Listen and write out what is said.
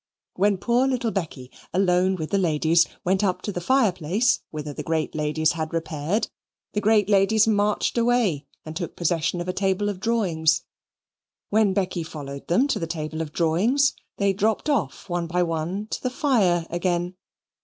When poor little Becky, alone with the ladies, went up to the fire place whither the great ladies had repaired, the great ladies marched away and took possession of a table of drawings. When Becky followed them to the table of drawings, they dropped off one by one to the fire again.